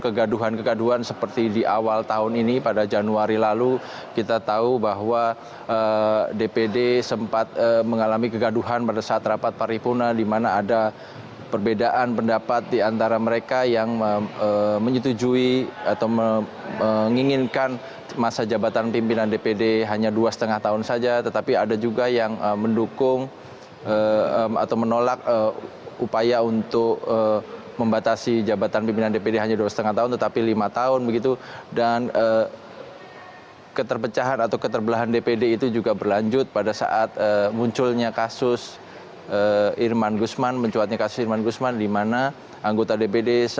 kegaduhan kegaduhan seperti di awal tahun ini pada januari lalu kita tahu bahwa dpd sempat mengalami kegaduhan pada saat rapat paripurna di mana ada perbedaan pendapat di antara mereka yang menyetujui atau menginginkan masa jabatan pimpinan dpd hanya dua setengah tahun saja tetapi ada juga yang mendukung atau menolak upaya untuk membatasi jabatan pimpinan dpd